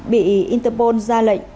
bị interpol ra lệnh